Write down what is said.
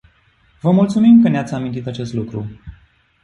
Vă mulțumim că ne-ați amintit acest lucru.